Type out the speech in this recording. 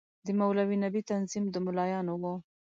د مولوي نبي تنظیم د ملايانو وو.